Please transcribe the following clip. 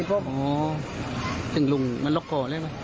ก็บอกถึงลุงมันล็อกก่อเลยไหม